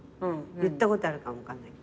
言ったことあるかも分かんない。